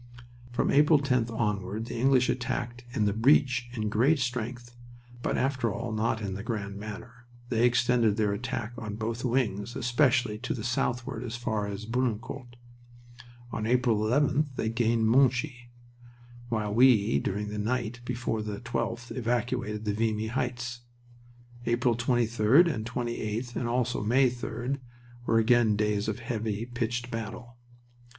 "From April 10th onward the English attacked in the breach in great strength, but after all not in the grand manner; they extended their attack on both wings, especially to the southward as far as Bullecourt. On April 11th they gained Monchy, while we during the night before the 12th evacuated the Vimy heights. April 23d and 28th, and also May 3d, were again days of heavy, pitched battle.